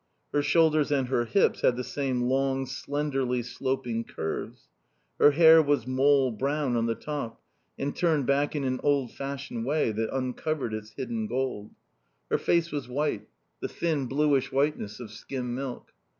Her shoulders and her hips had the same long, slenderly sloping curves. Her hair was mole brown on the top and turned back in an old fashioned way that uncovered its hidden gold. Her face was white; the thin bluish whiteness of skim milk.